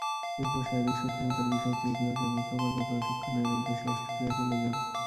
এরপর, শারীরিক সক্ষমতার বিষয়ে তৃতীয় ও চতুর্থ পর্যায়ে প্রশিক্ষণ নেয়ার উদ্দেশ্যে অস্ট্রেলিয়া চলে যান।